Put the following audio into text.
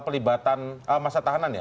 pelibatan masa tahanan ya